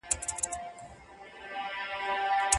تعلیم لرونکې میندې د ماشومانو د لاس زخمونه ژر پاکوي.